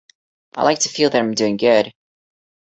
I like to feel that I am doing good.